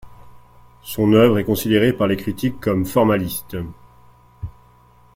Son œuvre est considérée par les critiques comme formaliste.